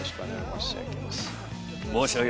申し上げます。